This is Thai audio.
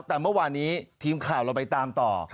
แต่เมื่อวานนี้ทีมข่าวเราไปตามต่อ